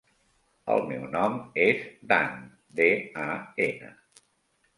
El meu nom és Dan: de, a, ena.